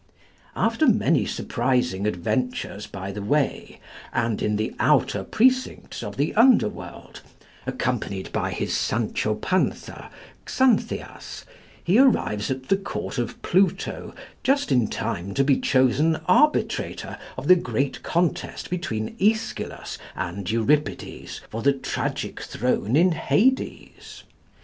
After many surprising adventures by the way, and in the outer precincts of the underworld, accompanied by his Sancho Panza, Xanthias, he arrives at the court of Pluto just in time to be chosen arbitrator of the great contest between Aeschylus and Euripides for the tragic throne in Hades.